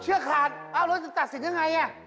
เชื่อคราดเออน้องตัดสินอย่างไร